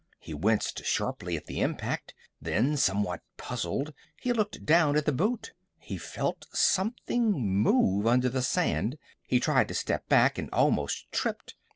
He winced sharply at the impact. Then, somewhat puzzled he looked down at the boot. He felt something move under the sand. He tried to step back, and almost tripped.